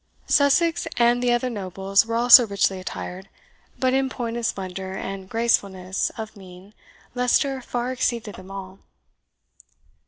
Sussex and the other nobles were also richly attired, but in point of splendour and gracefulness of mien Leicester far exceeded them all.